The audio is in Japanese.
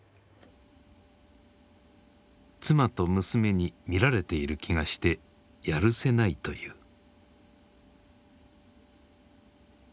妻と娘に見られている気がしてやるせないという。